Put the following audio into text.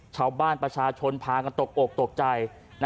ชาวบ้านประชาชนพากันตกอกตกใจ